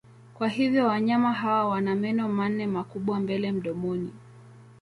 Kwa hivyo wanyama hawa wana meno manne makubwa mbele mdomoni.